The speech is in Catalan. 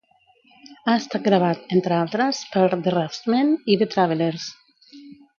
Ha estat gravat, entre altres, per The Raftsmen i The Travellers.